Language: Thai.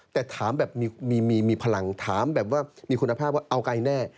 แต่ถามแบบมีพลังถามแบบว่ามีคุณภาพว่าเอาไกลแน่